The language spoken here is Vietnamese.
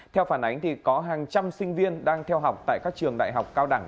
theo phản ánh có hàng trăm sinh viên đang theo học tại các trường đại học cao đẳng